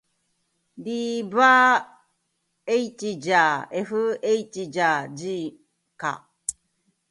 d ヴぁ h じゃ fh じゃ g か」